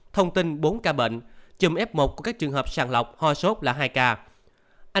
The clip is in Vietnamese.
thông tin bốn ca bệnh chùm f một của các trường hợp sàng lọc ho sốt là hai ca